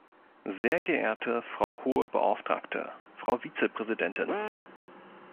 Sehr geehrte Frau Hohe Beauftragte, Frau Vizepräsidentin!